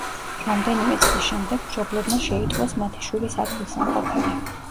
რამდენიმე წლის შემდეგ მშობლებმა შეიტყვეს მათი შვილის ადგილსამყოფელი.